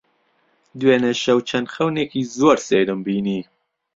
دوێنێ شەو چەند خەونێکی زۆر سەیرم بینی.